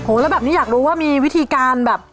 แล้วแบบนี้อยากรู้ว่ามีวิธีการแบบ